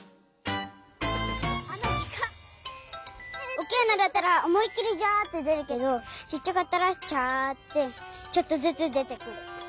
おっきいあなだったらおもいっきりジャってでるけどちっちゃかったらチャってちょっとずつでてくる。